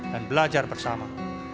dan belajar bersama